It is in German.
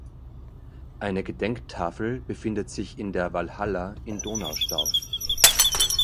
Eine Gedenktafel befindet sich in der Walhalla in Donaustauf.